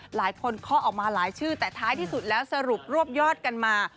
เคาะออกมาหลายชื่อแต่ท้ายที่สุดแล้วสรุปรวบยอดกันมา